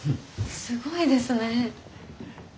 すごいですね。